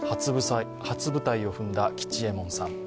初舞台を踏んだ吉右衛門さん。